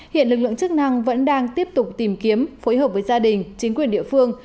hiện lực lượng chức năng vẫn đang tiếp tục tìm kiếm phối hợp với gia đình chính quyền địa phương